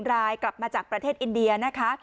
รายกลับมาจากประเทศอินเดียนะคะ